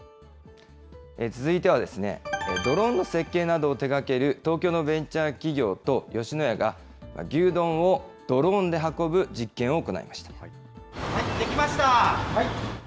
続いては、ドローンの設計などを手がける東京のベンチャー企業と吉野家が牛丼をドローンで運ぶ実出来ました。